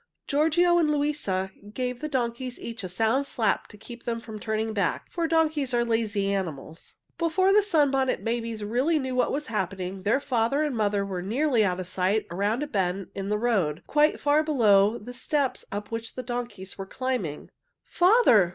Giorgio and Luisa gave the donkeys each a sound slap to keep them from turning back, for donkeys are lazy animals. [Illustration: The donkeys began to climb some steps cut in the hillside] Before the Sunbonnet Babies really knew what was happening, their father and mother were nearly out of sight around a bend in the road, quite far below the steps up which the donkeys were climbing. "Father!